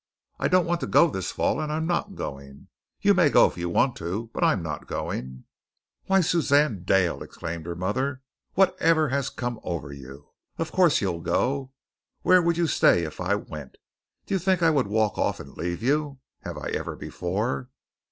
I don't want to go this fall and I'm not going. You may go if you want to, but I'm not going." "Why, Suzanne Dale!" exclaimed her mother. "Whatever has come over you? Of course you'll go. Where would you stay if I went? Do you think I would walk off and leave you? Have I ever before?"